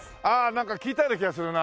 なんか聞いたような気がするな。